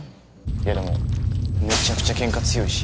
いやでもめちゃくちゃケンカ強いし。